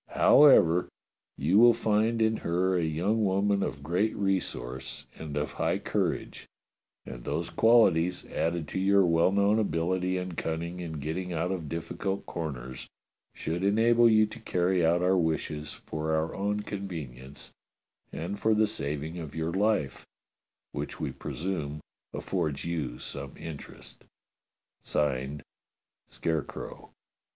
However, 248 DOCTOR SYN you will find in her a young woman of great resource, and of high courage, and those qualities, added to your well known ability and cunning in getting out of difficult corners, should enable you to carry out our wishes for our own convenience and for the saving of your life, which we presume affords you some interest. [Signed] Scarecrow.